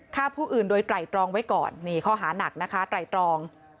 ฆ่าผู้อื่นโดยไตรตรองไว้ก่อนนี่ข้อหานักนะคะไตรตรอง